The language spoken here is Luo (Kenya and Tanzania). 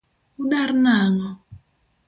Udar nang'o?